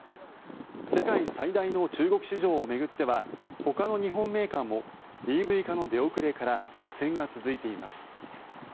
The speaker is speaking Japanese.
世界最大の中国市場を巡ってはほかの日本メーカーもＥＶ化の出遅れから苦戦が続いています。